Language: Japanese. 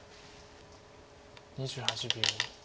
２８秒。